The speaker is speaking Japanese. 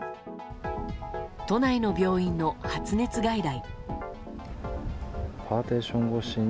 都内の病院の発熱外来。